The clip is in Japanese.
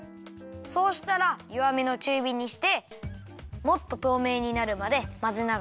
そうしたらよわめのちゅうびにしてもっととうめいになるまでまぜながらあたためるよ。